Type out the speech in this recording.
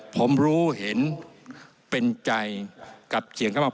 ผมรู้เห็นเป็นใจกับเสียงเข้ามา